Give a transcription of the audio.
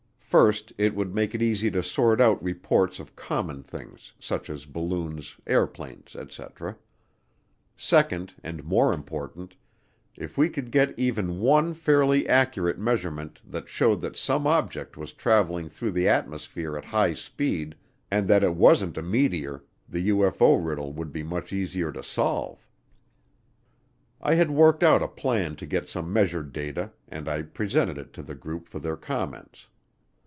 First, it would make it easy to sort out reports of common things, such as balloons, airplanes, etc. Second, and more important, if we could get even one fairly accurate measurement that showed that some object was traveling through the atmosphere at high speed, and that it wasn't a meteor, the UFO riddle would be much easier to solve. I had worked out a plan to get some measured data, and I presented it to the group for their comments.